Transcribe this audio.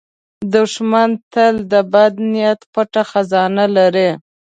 دښمن تل د بد نیت پټ خزانه لري